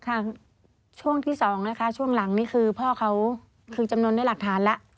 ช่วงที่สองนะคะช่วงหลังนี่คือพ่อเขาคือจำนวนด้วยหลักฐานแล้ว